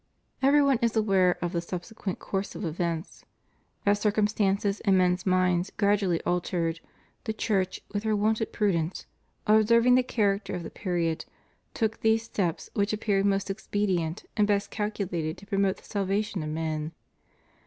Every one is aware of the subsequent course of events. As circumstances and men's minds gradually altered, the Church, with her wonted prudence, observing the char acter of the period, took those steps which appeared most expedient and best calculated to promote the salvation of men.